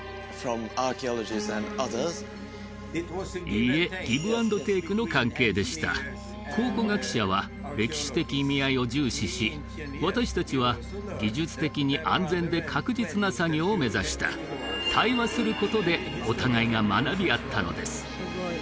いいえギブ・アンド・テイクの関係でした考古学者は歴史的意味合いを重視し私達は技術的に安全で確実な作業を目指した対話することでお互いが学び合ったのです